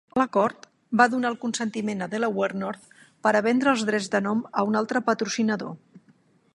L'acord va donar el consentiment a Delaware North per a vendre els drets de nom a un altre patrocinador.